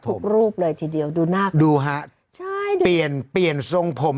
ทุกรูปเลยทีเดียวดูหน้าดูฮะใช่ดิเปลี่ยนเปลี่ยนทรงผม